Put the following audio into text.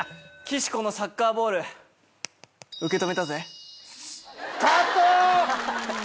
「岸子のサッカーボール受け止めたぜ」。